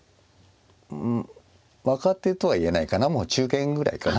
若手とは言えないかなもう中堅ぐらいかな。